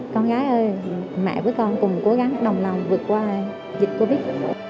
con gái ơi mẹ với con cùng cố gắng đồng lòng vượt qua dịch covid